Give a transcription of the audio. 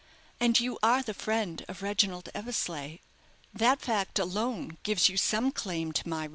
"And you are the friend of Reginald Eversleigh. That fact alone gives you some claim to my regard."